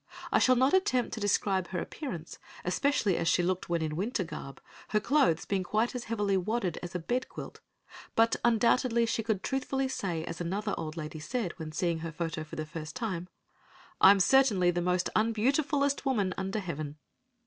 I shall not attempt to describe her appearance, especially as she looked when in winter garb, her clothes being quite as heavily wadded as a bed quilt, but undoubtedly she could truthfully say as another old lady said when seeing her photo for the first time, "I'm certainly the most unbeautifulest woman under heaven."